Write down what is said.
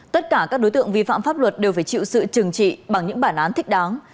tất cả các đối tượng vi phạm pháp luật đều phải chịu sự trừng trị bằng những bản án thích đáng